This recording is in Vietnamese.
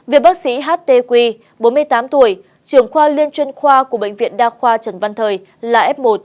việc bác sĩ ht bốn mươi tám tuổi trưởng khoa liên chuyên khoa của bệnh viện đa khoa trần văn thời là f một